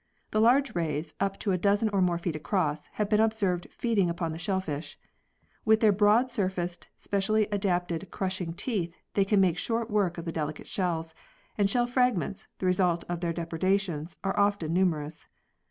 The large rays, up to a dozen or more feet across, have been observed feeding upon the shellfish. With their broad surfaced, specially adapted crushing teeth they can make short work of the delicate shells ; and shell fragments, the result of their depredations, are often numerous.